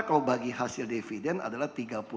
kalau bagi hasil dividen adalah tiga puluh tujuh puluh